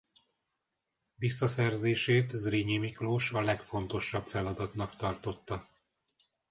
Visszaszerzését Zrínyi Miklós a legfontosabb feladatnak tartotta.